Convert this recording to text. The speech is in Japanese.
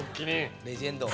レジェンド。